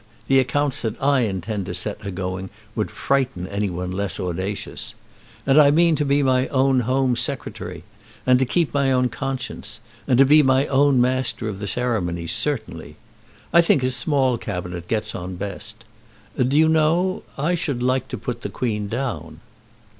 The accounts that I intend to set a going would frighten any one less audacious. And I mean to be my own home secretary, and to keep my own conscience, and to be my own master of the ceremonies certainly. I think a small cabinet gets on best. Do you know, I should like to put the Queen down."